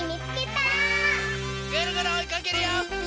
ぐるぐるおいかけるよ！